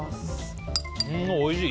おいしい！